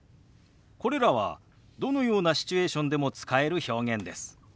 これらはどのようなシチュエーションでも使える表現です。